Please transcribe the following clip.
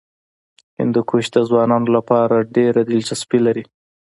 هندوکش د ځوانانو لپاره ډېره دلچسپي لري.